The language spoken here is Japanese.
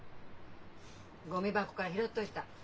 ゴミ箱から拾っといた。